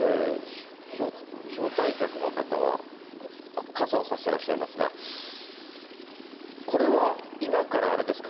招待客の方は傘をさしてらっしゃいますが、これは、今からあれですか？